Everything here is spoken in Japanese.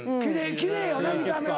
奇麗よな見た目は。